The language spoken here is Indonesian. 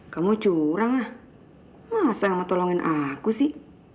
kamu curang lah masa nggak tolongin aku sih